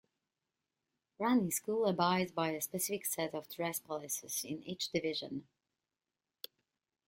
Ranney School abides by a specific set of dress policies in each division.